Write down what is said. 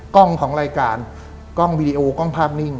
ของรายการกล้องวีดีโอกล้องภาพนิ่ง